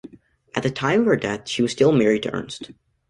At the time of her death, she was still married to Ernst.